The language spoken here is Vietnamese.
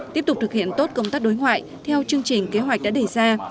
tiếp tục thực hiện tốt công tác đối ngoại theo chương trình kế hoạch đã đề ra